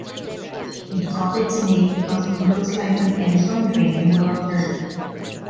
It got its name because it looks like an elephant drinking water.